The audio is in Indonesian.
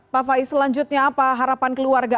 pak faiz selanjutnya apa harapan keluarga